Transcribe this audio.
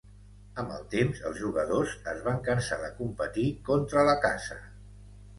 Amb el temps els jugadors es van cansar de competir contra la casa.